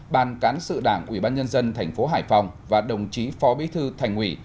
ban cán sự đảng ủy ban nhân dân tp hải phòng và đồng chí phó bí thư thành ủy